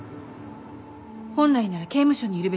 本来なら刑務所にいるべき人間です。